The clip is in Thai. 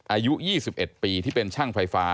อายุ๒๑ปีที่เป็นช่างไฟฟ้า